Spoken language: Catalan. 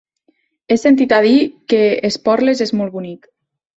He sentit a dir que Esporles és molt bonic.